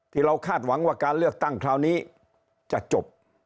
คาดหวังว่าการเลือกตั้งคราวนี้จะจบ